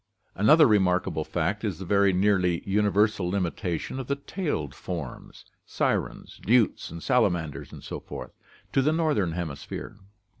Another remarkable fact is the very nearly universal limita tion of the tailed forms — sirens, newts, salamanders, etc. — to the northern hemisphere.